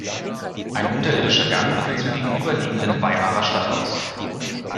Ein unterirdischer Gang führt zum gegenüberliegenden Weimarer Stadthaus.